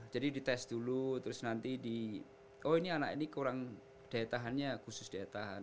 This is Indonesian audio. jadi dites dulu terus nanti di oh ini anak ini kurang daya tahannya khusus daya tahan